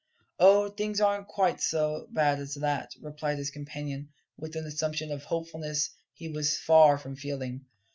"Oh, things aren't quite so bad as that!" replied his companion, with an assumption of hopefulness he was far from feeling.